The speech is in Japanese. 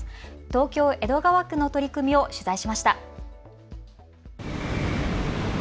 東京江戸川区の取り組みを取材しました。